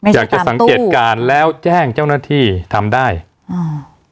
อยากจะสังเกตการณ์แล้วแจ้งเจ้าหน้าที่ทำได้อ่า